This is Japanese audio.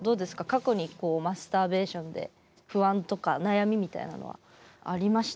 過去にマスターベーションで不安とか悩みみたいなのはありました？